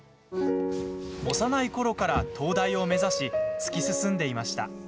幼いころから東大を目指し突き進んでいました。